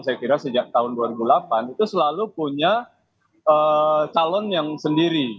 saya kira sejak tahun dua ribu delapan itu selalu punya calon yang sendiri